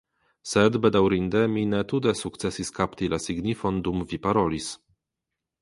Sed, bedaŭrinde mi ne tute sukcesis kapti la signifon dum vi parolis.